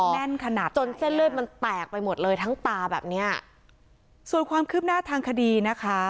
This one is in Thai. แน่นขนาดจนเส้นเลือดมันแตกไปหมดเลยทั้งตาแบบเนี้ยส่วนความคืบหน้าทางคดีนะคะ